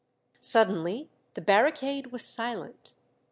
Suddenly the barricade was silent.